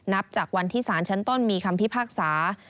นับจากวันที่สารชั้นต้นมีคำพิพากษา